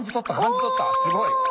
すごい。